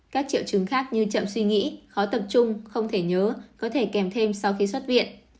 các triệu chứng khác như chậm suy nghĩ khó tập trung không thể nhớ có thể kèm thêm sau khi xuất viện